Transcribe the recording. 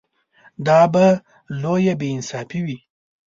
دا به لویه بې انصافي وي.